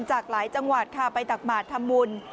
จากหลายจังหวัดค่ะไปตักหมาธรรมุน